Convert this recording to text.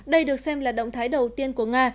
đây được xem là động thái đầu tiên của nga